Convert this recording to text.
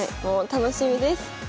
もう楽しみです。